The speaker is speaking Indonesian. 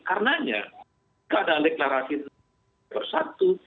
karenanya keadaan deklarasi bersatu